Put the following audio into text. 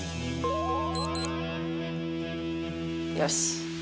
よし！